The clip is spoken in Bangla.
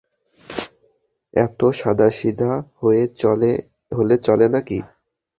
এত সাদাসিধা হলে চলে নাকি!